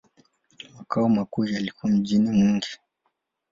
Makao makuu yalikuwa mjini Mwingi.